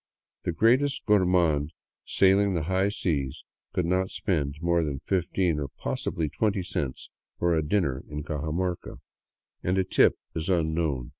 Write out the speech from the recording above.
The greatest gourmand sailing the high seas could not spend more than fifteen, or possibly twenty cents, for a dinner in Cajamarca — and a "tip" is unknown.